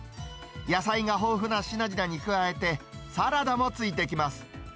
野菜が豊富な品々に加えて、サラダもついてきます。